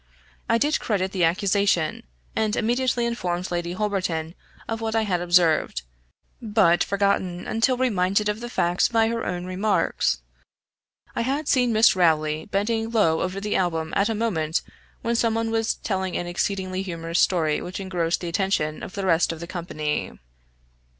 I did credit the accusation, and immediately informed Lady Holberton of what I had observed, but forgotten, until reminded of the facts by her own remarks. I had seen Miss Rowley, bending low over the album at a moment when some one was telling an exceedingly humorous story which engrossed the attention of the rest of the company.